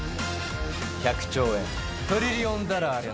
１００兆円トリリオンダラーありゃ